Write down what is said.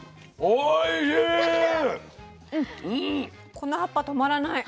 この葉っぱ止まらない。